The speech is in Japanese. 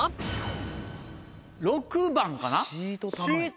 ６番かな？